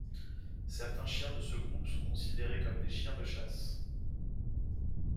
Certains chiens de ce groupe sont considérés comme des chiens de chasse.